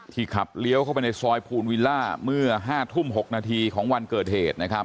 ขับเลี้ยวเข้าไปในซอยภูนวิลล่าเมื่อ๕ทุ่ม๖นาทีของวันเกิดเหตุนะครับ